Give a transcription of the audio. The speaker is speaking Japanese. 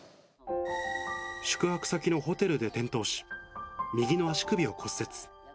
宿泊先のホテルで転倒し、右の足首を骨折。